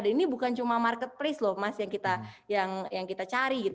dan ini bukan cuma marketplace loh mas yang kita cari